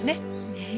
ねえ。